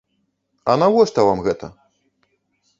А навошта вам гэта?